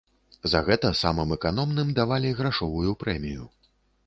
За гэта самым эканомным давалі грашовую прэмію.